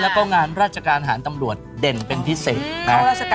แล้วก็งานราชการหารตำรวจเด่นเป็นพิเศษ